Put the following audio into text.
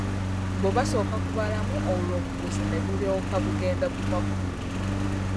Mbu basooka kubalabamu olwo obuguzi ne bulyoka bugenda bukwakku!